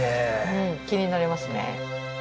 うん気になりますね。